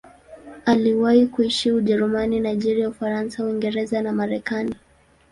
Aliwahi kuishi Ujerumani, Nigeria, Ufaransa, Uingereza na Marekani.